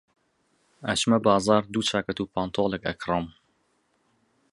ئەچمە بازاڕ دوو چاکەت و پانتۆڵێک ئەکڕم.